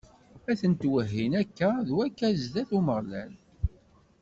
A tent-wehhin akka d wakka zdat n Umeɣlal.